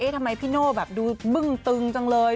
เอ๊ะทำไมพี่โน่ดูบึ้งตึงจังเลย